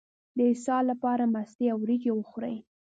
د اسهال لپاره مستې او وریجې وخورئ